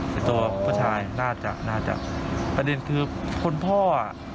แต่ตัวผู้ชายน่าจะน่าจะประเด็นคือคนพ่ออ่ะ